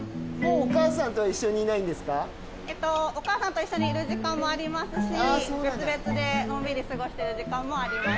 お母さんと一緒にいる時間もありますし別々でのんびり過ごしてる時間もあります。